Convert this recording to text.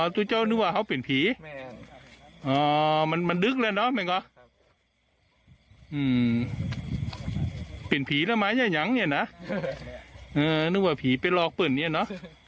อ๋อตู้เจ้านึกว่าเขาเป็นผีอ๋อมันมันดึกเลยเนอะแม่งอ๋อเป็นผีแล้วไหมยังยังเนี่ยน่ะเออนึกว่าผีเป็นลอกเปิ่นนี่เนอะ